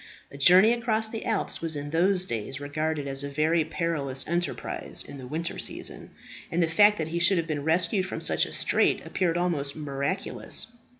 A journey across the Alps was in those days regarded as a very perilous enterprise in the winter season, and the fact that he should have been rescued from such a strait appeared almost miraculous.